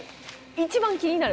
一番気になる。